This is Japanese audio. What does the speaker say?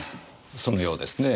そのようですねぇ。